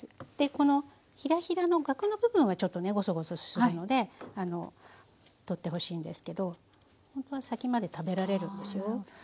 このヒラヒラのがくの部分はちょっとねゴソゴソするので取ってほしいんですけどほんとは先まで食べられるんですよ。